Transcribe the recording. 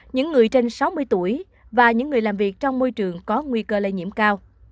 những người trên sáu mươi tuổi và những người làm việc trong môi trường có nguy cơ lây nhiễm cao